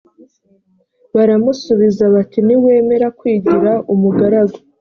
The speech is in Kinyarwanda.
baramusubiza bati niwemera kwigira umugaragu